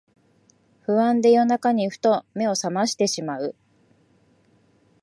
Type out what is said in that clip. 不安で夜中にふと目をさましてしまう